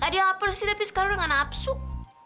tadi hapus sih tapi sekarang udah gak napsuk